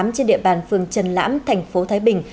trên địa bàn phường trần lãm thành phố thái bình